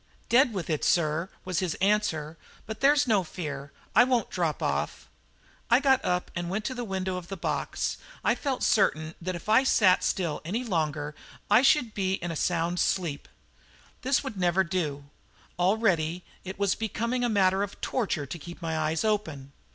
"Dead with it, sir," was his answer; "but there's no fear, I won't drop off." I got up and went to the window of the box. I felt certain that if I sat still any longer I should be in a sound sleep. This would never do. Already it was becoming a matter of torture to keep my eyes open.